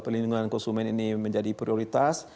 pelindungan konsumen ini menjadi prioritas